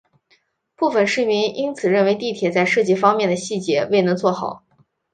部分市民因此认为地铁在设计方面细节未能做好。